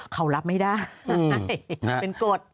เขารับไม่ได้เป็นกฎ